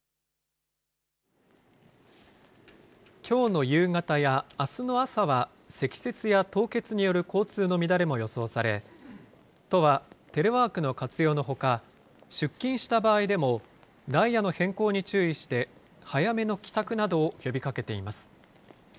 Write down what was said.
きょうの夕方や、あすの朝は、積雪や凍結による交通の乱れも予想され、都はテレワークの活用のほか、出勤した場合でも、ダイヤの変更に注意して、早めの帰宅などを呼びかけています。